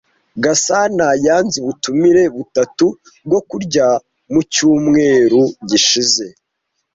Gasana yanze ubutumire butatu bwo kurya mu cyumweru gishize.